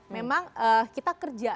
memang kita kerja